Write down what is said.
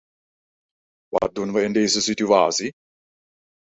Wat doen we in deze situatie?